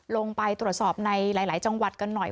ลงไปตรวจสอบในหลายจังหวัดกันหน่อย